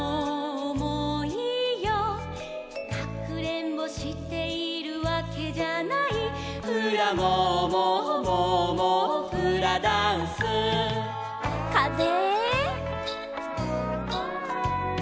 「かくれんぼしているわけじゃない」「フラモーモーモーモーフラダンス」かぜ。